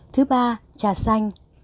thứ ba trà xanh